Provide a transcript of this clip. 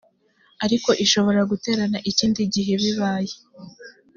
ariko ishobora guterana ikindi gihe bibaye